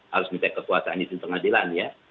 harus minta kekuasaan di penyelenggaraan ya